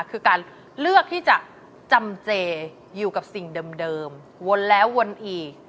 คือการเลือกที่จะจำเจอยู่กับสิ่งเดิมวนแล้ววนอีก